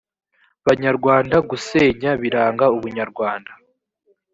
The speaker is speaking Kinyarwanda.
banyarwanda gusenya biranga ubunyarwanda.